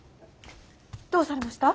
どうされました？